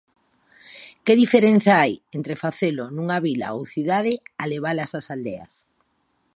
Que diferenza hai entre facelo nunha vila ou cidade a levalas ás aldeas?